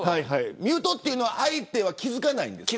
ミュートは、相手は気づかないんですか。